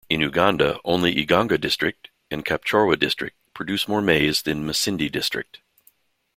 In Uganda, only Iganga District and Kapchorwa District produce more maize than Masindi District.